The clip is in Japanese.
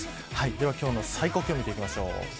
では今日の最高気温見ていきましょう。